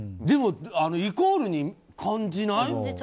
でも、イコールに感じない？